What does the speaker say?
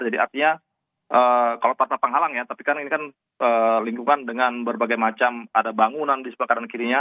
jadi artinya kalau tata penghalang ya tapi kan ini kan lingkungan dengan berbagai macam ada bangunan di sebelah kanan kirinya